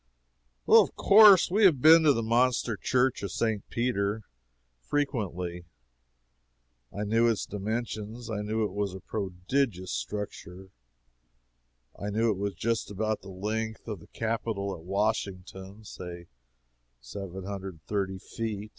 Of course we have been to the monster Church of St. Peter, frequently. I knew its dimensions. I knew it was a prodigious structure. I knew it was just about the length of the capitol at Washington say seven hundred and thirty feet.